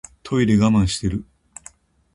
トイレ我慢してる